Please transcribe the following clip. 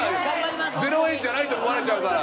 ０円じゃないと思われちゃうから。